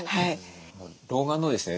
老眼のですね